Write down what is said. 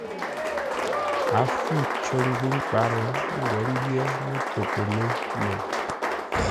A fû cər ngwʉ̂ ńkwǎr ńgwó ḿbyé mətoghʼə́ mé mêi.